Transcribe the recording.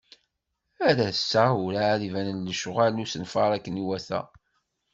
Ar ass-a, urεad i banen lecɣal n usenfar akken iwata.